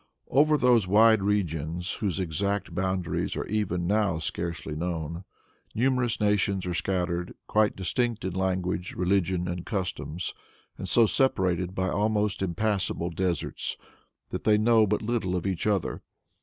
Over those wide regions, whose exact boundaries are even now scarcely known, numerous nations are scattered, quite distinct in language, religion and customs, and so separated by almost impassable deserts, that they know but little of each other.